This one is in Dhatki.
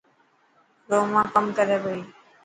روما ڪم ڪري پئي.